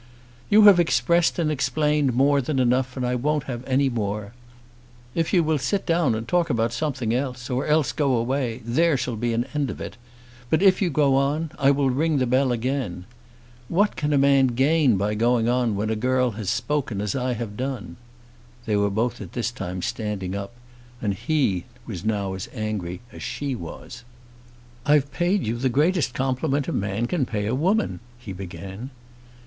"You have expressed and explained more than enough, and I won't have any more. If you will sit down and talk about something else, or else go away, there shall be an end of it; but if you go on, I will ring the bell again. What can a man gain by going on when a girl has spoken as I have done?" They were both at this time standing up, and he was now as angry as she was. "I've paid you the greatest compliment a man can pay a woman," he began.